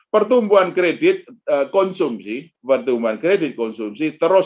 pertumbuhan kredit konsumsi pertumbuhan kredit konsumsi terus